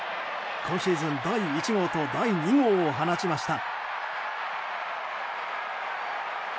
今シーズン第１号と第２号を放ちました。